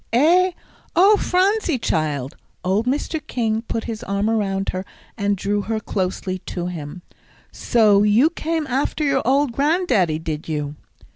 "Eh? Oh, Phronsie, child." Old Mr. King put his arm around her, and drew her closely to him. "So you came after your old Grand daddy, did you?"